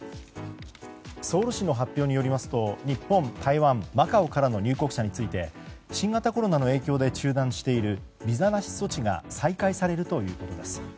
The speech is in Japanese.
ソウル市の発表によりますと日本、台湾、マカオからの入国者について新型コロナの影響で中断しているビザなし措置が再開されるということです。